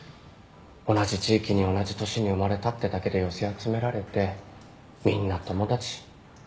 同じ地域に同じ年に生まれたってだけで寄せ集められてみんな友達みんな仲良しってあの感じ。